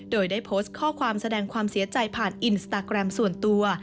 โดยได้โพสต์ข้อความแสดงความเสียใจผ่านอินสตาแกรมส่วนตัว